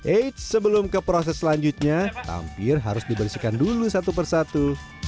eits sebelum ke proses selanjutnya tampir harus dibersihkan dulu satu persatu